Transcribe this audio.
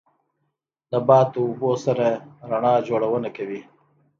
نبات د اوبو سره رڼا جوړونه کوي